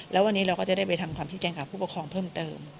แล้ววันนี้เราก็จะได้ไปทำความที่แจ้งกับผู้ปกครองเพิ่มเติม